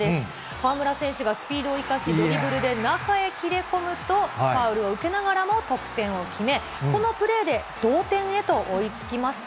河村選手がスピードを生かし、ドリブルで中へ切り込むと、ファウルを受けながらも得点を決め、このプレーで、同点へと追いつきました。